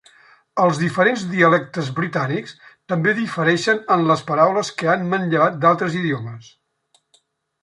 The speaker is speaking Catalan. Els diferents dialectes britànics també difereixen en les paraules que han manllevat d’altres idiomes.